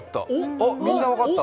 あ、みんな分かった。